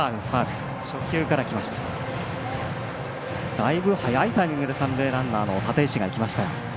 だいぶ早いタイミングで三塁ランナーの立石がいきました。